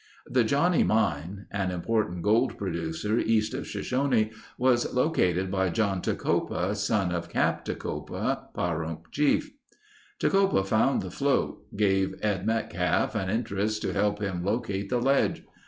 The Johnnie Mine, an important gold producer, east of Shoshone, was located by John Tecopa, son of Cap Tecopa, Pahrump Chief. Tecopa found the float; gave Ed Metcalf an interest to help him locate the ledge.